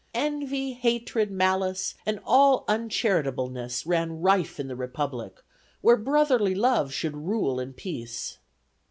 "Envy, hatred, malice, and all uncharitableness" ran rife in the Republic where brotherly love should rule in peace.